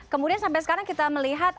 kemudian sampai sekarang kita melihat